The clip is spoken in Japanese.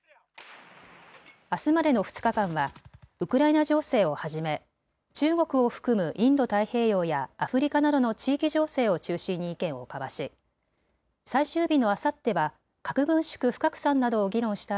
あすまでの２日間はウクライナ情勢をはじめ中国を含むインド太平洋やアフリカなどの地域情勢を中心に意見を交わし最終日のあさっては核軍縮・不拡散などを議論した